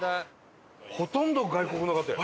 ほとんど外国の方よ。